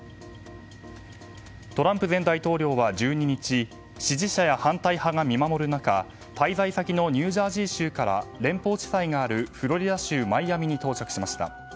トランプ前大統領は、１２日支持者や反対派が見守る中滞在先のニュージャージー州から連邦地裁があるフロリダ州マイアミに到着しました。